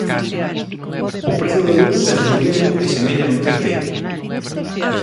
O prezo da luz segue subindo e semella non ter teito.